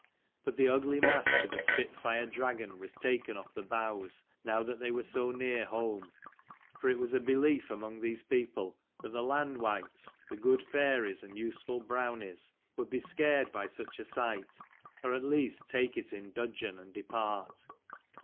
But the ugly mask of a spit fire dragon was taken off the bows, now that they were so near home ; for it was a belief among these people that the land wights, the good fairies and useful brownies, would be scared by such a sight, or at least take it in dudgeon, and depart.